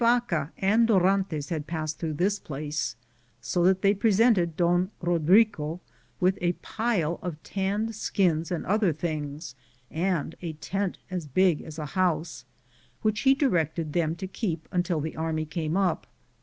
an, Google THE JOURNEY OF CORONADO beza de Yaca and Dorantes bad passed through this place, so that they presented Don Kodrigo with a pile of tanned skins and other things, and a tent as big as a house, which he directed them to keep until the army came up.